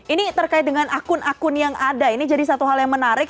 ini terkait dengan akun akun yang ada ini jadi satu hal yang menarik